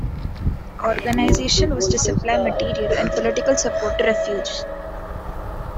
The organization was to supply material and political support to refugees.